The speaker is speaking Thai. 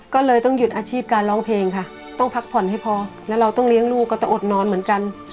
ก็เลยต้องหยุดอาชีพการร้องเพลงค่ะต้องพักผ่อนให้พอแล้วเราต้องเลี้ยงลูกก็ต้องอดนอนเหมือนกัน